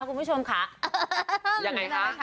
คุณผู้ชมค่ะ